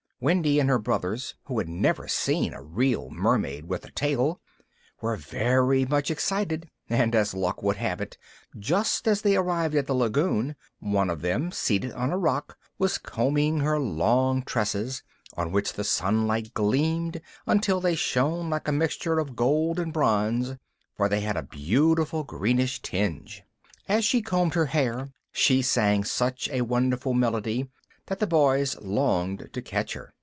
Wendy and her brothers, who had never seen a real mermaid with a tail, were very much excited, and, as luck would have it, just as they arrived at the lagoon, one of them, seated on a rock, was combing her long tresses, on which the sunlight gleamed, until they shone like a mixture of gold and bronze, for they had a beautiful greenish tinge. As she combed her hair she sang such a wonderful melody that the boys longed to catch her.